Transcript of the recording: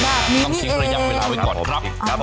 ต้องทิ้งระยะเวลาไว้ก่อนครับผม